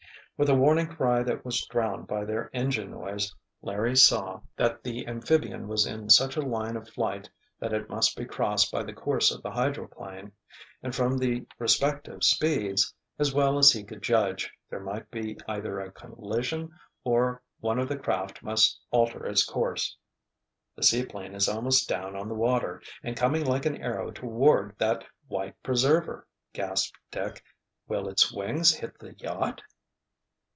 With a warning cry that was drowned by their engine noise, Larry saw that the amphibian was in such a line of flight that it must be crossed by the course of the hydroplane—and from the respective speeds, as well as he could judge, there might be either a collision or one of the craft must alter its course. "The seaplane is almost down on the water—and coming like an arrow toward that white preserver!" gasped Dick. "Will its wings hit the yacht?"